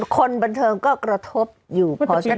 คนบนเทิมก็กระทบอยู่